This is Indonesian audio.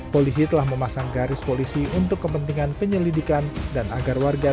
polisi telah memasang garis polisi untuk kepentingan penyelidikan dan agar warga